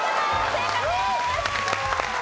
正解です。